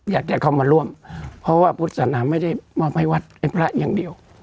อยากให้เขามาร่วมเพราะว่าพุทธศาลมันไม่ได้มากว่าไม่วัดในเองเดียว